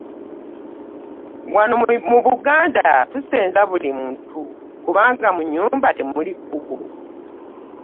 Wano mu Buganda tusenza buli muntu kubanga mu nnyumba temuli kkubo.